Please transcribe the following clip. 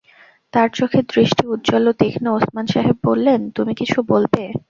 তাঁর চোখের দৃষ্টি উজ্জ্বল ও তীক্ষ্ণ ওসমান সাহেব বললেন, তুমি কিছু বলবে?